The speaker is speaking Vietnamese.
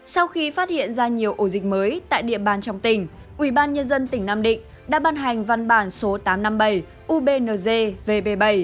sau khi phát hiện ra nhiều ổ dịch mới tại địa bàn trong tỉnh ubnd tỉnh nam định đã ban hành văn bản số tám trăm năm mươi bảy ubnz vb bảy